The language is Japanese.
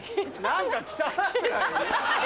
何か汚くない？